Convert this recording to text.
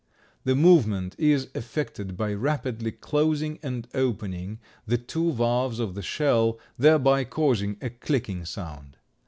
The movement is effected by rapidly closing and opening the two valves of the shell, thereby causing a clicking sound.